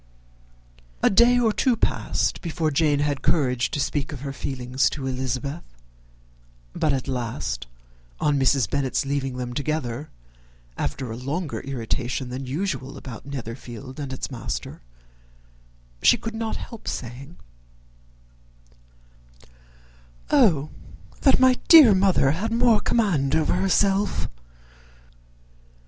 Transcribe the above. A day or two passed before Jane had courage to speak of her feelings to Elizabeth; but at last, on Mrs. Bennet's leaving them together, after a longer irritation than usual about Netherfield and its master, she could not help saying, "O that my dear mother had more command over herself!